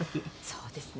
そうですね。